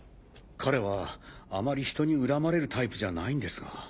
彼はあまり人に恨まれるタイプじゃないんですが。